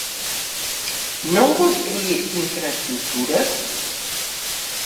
Non construír infraestruturas?